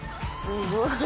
すごーい。